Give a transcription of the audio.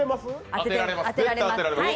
当てられます。